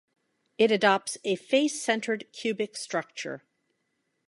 It adopts a face-centered cubic structure.